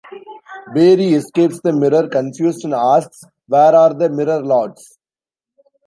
Barry escapes the mirror confused and asks, Where are the Mirror Lords?